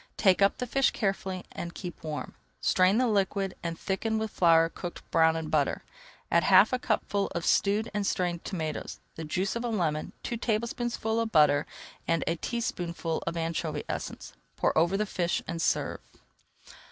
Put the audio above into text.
Take up the fish carefully and keep warm. Strain the liquid and thicken with flour cooked brown in butter. Add half a cupful of stewed and strained tomatoes, the juice of a lemon, two tablespoonfuls of butter, and a teaspoonful of anchovy essence. Pour over the fish and serve.